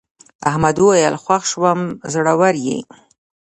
احمد وویل خوښ شوم زړور یې.